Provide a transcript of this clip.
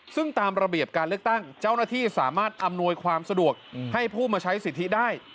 ซึ่งตามระเบียบการเลือกตั้งเจ้าหน้าที่สามารถอำนวยความสะดวกให้ผู้มาใช้สิทธิได้